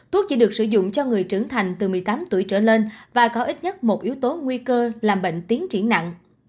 thuốc chỉ được sử dụng cho người trưởng thành từ một mươi tám tuổi trở lên và có ít nhất một yếu tố nguy cơ làm bệnh tiến triển nặng